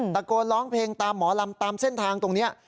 ตะโกนร้องเพลงตามหมอลำตามเส้นทางตรงนี้